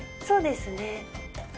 そうですね。